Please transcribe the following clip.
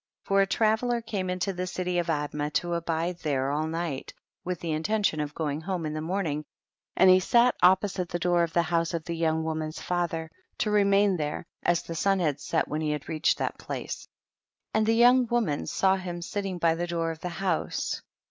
37. J'or a traveller came into the city of Admah to abide there all night, with the intention of going home in the morning, and he sat op posite the door of the house of the young woman's father, to remain there, as the sun had set when he had reached that place; and the young woman saw him sitting by the door of the house.